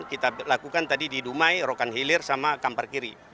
kita lakukan tadi di dumai rokan hilir sama kampar kiri